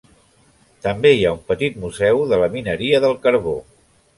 També hi ha un petit museu de la mineria del carbó.